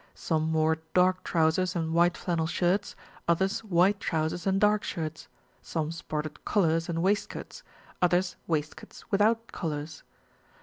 Some wore dark trousers and white flannel shirts, others white trousers and dark shirts; some sported collars and waistcoats, others waistcoats without collars.